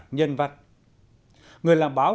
nhân vật người làm báo